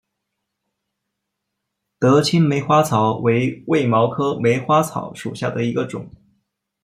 德钦梅花草为卫矛科梅花草属下的一个种。